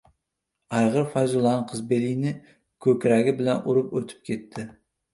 Ayg‘ir, Fayzullaning Qizbelini ko‘kragi bilan urib o‘tib ketdi!